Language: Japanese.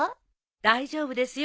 大丈夫ですよ